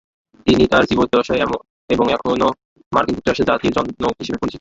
তিনি তার জীবদ্দশায় এবং এখনও মার্কিন যুক্তরাষ্ট্রের জাতির জনক হিসেবে পরিচিত।